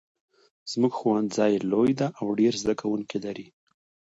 زمونږ ښوونځی لوی ده او ډېر زده کوونکي لري